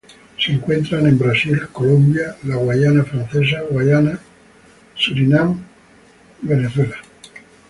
Se encuentra en Brasil, Colombia, la Guayana francesa, Guyana, Surinam y Venezuela.